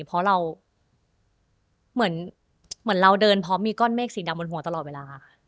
เพราะเราเหมือนเราเดินพร้อมมีก้อนเมฆสีดำบนหัวตลอดเวลาค่ะ